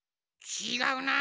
ちがうな。